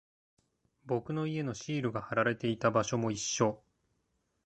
僕の家のシールが貼られていた場所も一緒。